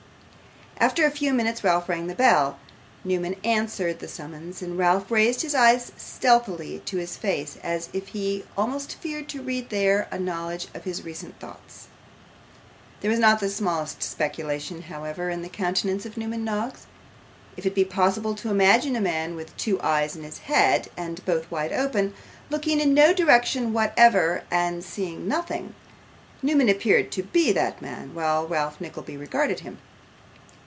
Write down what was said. After a few minutes, Ralph rang his bell. Newman answered the summons, and Ralph raised his eyes stealthily to his face, as if he almost feared to read there, a knowledge of his recent thoughts. There was not the smallest speculation, however, in the countenance of Newman Noggs. If it be possible to imagine a man, with two eyes in his head, and both wide open, looking in no direction whatever, and seeing nothing, Newman appeared to be that man while Ralph Nickleby regarded him.